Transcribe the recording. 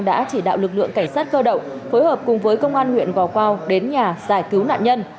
đã chỉ đạo lực lượng cảnh sát cơ động phối hợp cùng với công an huyện gò quao đến nhà giải cứu nạn nhân